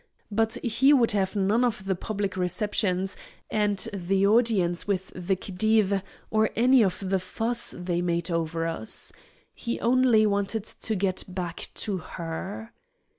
But he would have none of the public receptions, and the audience with the khedive, or any of the fuss they made over us. He only wanted to get back to her.